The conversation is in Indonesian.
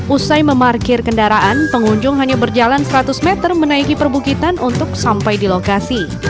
usai memarkir kendaraan pengunjung hanya berjalan seratus meter menaiki perbukitan untuk sampai di lokasi